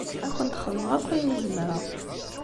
Ad akent-xedmeɣ akk ayen i zemreɣ.